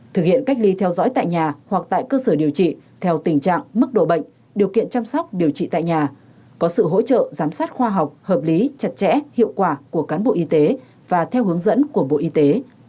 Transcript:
thực hiện cách ly theo dõi tại nhà hoặc tại cơ sở điều trị theo tình trạng mức độ bệnh điều kiện chăm sóc điều trị tại nhà có sự hỗ trợ giám sát khoa học hợp lý chặt chẽ hiệu quả của cán bộ y tế và theo hướng dẫn của bộ y tế